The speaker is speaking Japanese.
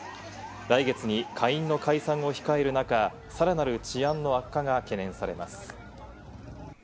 来月に下院の解散を控える中、さらなる治安の悪化が懸念されます。